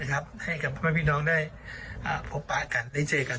ให้กับพ่อแม่พี่น้องได้พบปะกันได้เจอกัน